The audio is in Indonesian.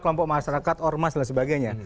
kelompok masyarakat ormas dan sebagainya